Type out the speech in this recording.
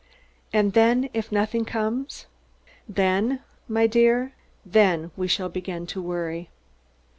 "And then, if nothing comes?" "Then, my dear, then we shall begin to worry."